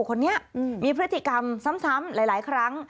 คนนี้มีพฤติกรรมซ้ำหลายครั้ง